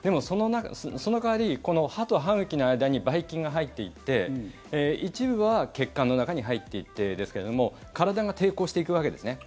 その代わりこの歯と歯茎の間にばい菌が入っていって一部は血管の中に入っていって体が抵抗していくわけですね。